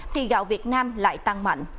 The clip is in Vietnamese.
thì gạo việt nam lại tăng mạnh